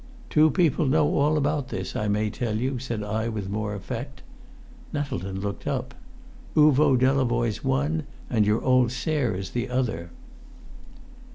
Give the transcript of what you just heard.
"Two people know all about this, I may tell you," said I with more effect. Nettleton looked up. "Uvo Delavoye's one, and your old Sarah's the other."